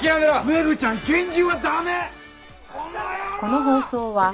メグちゃん拳銃は駄目！